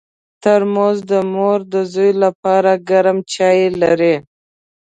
ترموز د مور د زوی لپاره ګرم چای لري.